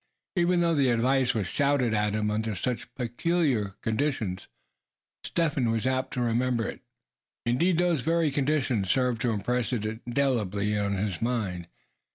And even though the advice was shouted at him under such peculiar conditions, Step Hen was apt to remember it. Indeed, those very conditions served to impress it indelibly on his mind.